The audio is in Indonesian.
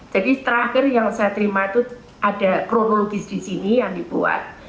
jadi terakhir yang saya terima itu ada kronologis di sini yang dibuat